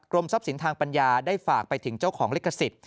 ทรัพย์สินทางปัญญาได้ฝากไปถึงเจ้าของลิขสิทธิ์